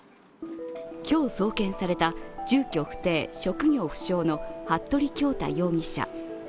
今日送検された住居不定・職業不詳の服部恭太容疑者。